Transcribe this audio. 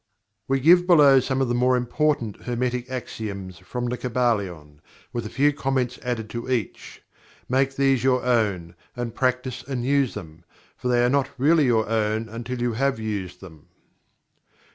We give below some of the more important Hermetic Axioms, from The Kybalion, with a few comments added to each. Make these your own, and practice and use them, for they are not really your own until you have Used them.